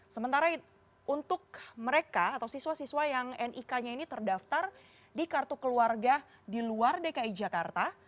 sementara untuk mereka atau siswa siswa yang nik nya ini terdaftar di kartu keluarga di luar dki jakarta